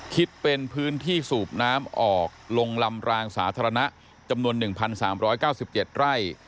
คิดเป็นพื้นที่สูบน้ำออกลงลำรางสาธารณะจำนวน๑๓๙๗ไร่